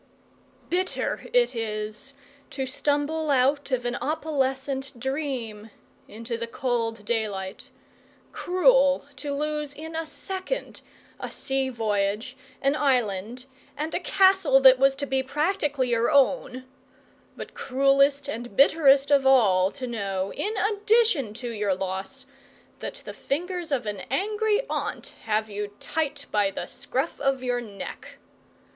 Bitter it is to stumble out of an opalescent dream into the cold daylight; cruel to lose in a second a sea voyage, an island, and a castle that was to be practically your own; but cruellest and bitterest of all to know, in addition to your loss, that the fingers of an angry aunt have you tight by the scruff of your neck.